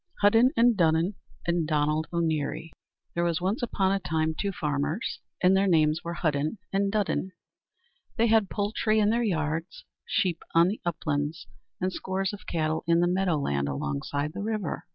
Hudden and Dudden and Donald O'Neary There was once upon a time two farmers, and their names were Hudden and Dudden. They had poultry in their yards, sheep on the uplands, and scores of cattle in the meadow land alongside the river.